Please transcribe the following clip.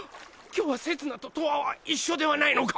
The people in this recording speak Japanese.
今日はせつなととわは一緒ではないのか！？